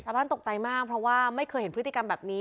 ตกใจมากเพราะว่าไม่เคยเห็นพฤติกรรมแบบนี้